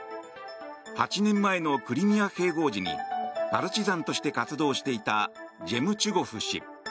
８年前のクリミア併合時にパルチザンとして活動していたジェムチュゴフ氏。